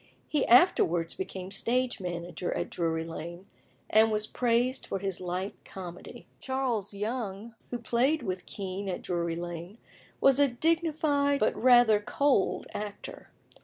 He afterwards became stage manager at Drury Lane, and was praised for his light comedy. Charles Young, who played with Kean at Drury Lane, was a dignified but rather cold actor.